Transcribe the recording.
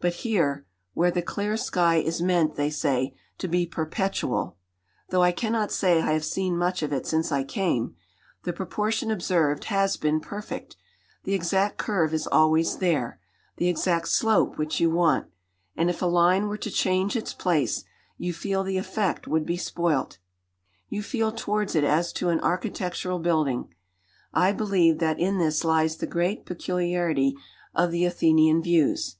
But here, where the clear sky is meant, they say, to be perpetual (tho' I cannot say I have seen much of it since I came), the proportion observed has been perfect, the exact curve is always there, the exact slope which you want; and if a line were to change its place, you feel the effect would be spoilt. You feel towards it as to an architectural building. I believe that in this lies the great peculiarity of the Athenian views.